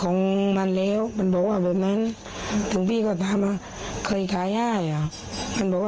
ก็มองว่ามันขายไม่ได้ต่อผมมึงจะที่วหัวกับมีนี้